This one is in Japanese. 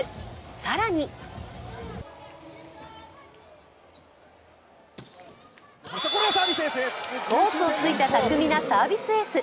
更にコースをついた巧みなサービスエース。